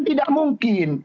itu tidak mungkin